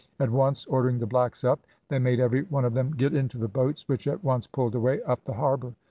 At once ordering the blacks up, they made every one of them get into the boats, which at once pulled away up the harbour.